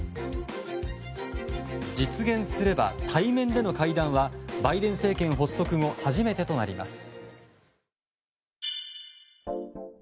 実現すれば、対面での会談はバイデン政権発足後初めてとなります。